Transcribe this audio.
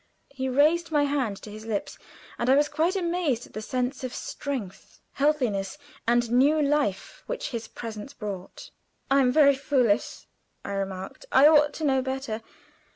He raised my hand to his lips, and I was quite amazed at the sense of strength, healthiness, and new life which his presence brought. "I am very foolish," I remarked; "I ought to know better.